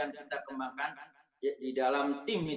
kemudian ada teman sejawat yang juga tidak serta dipanggil